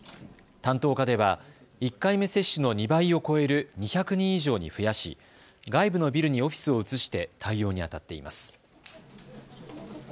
担当課では１回目接種の２倍を超える２００人以上に増やし外部のビルにオフィスを移して対応にあたっています。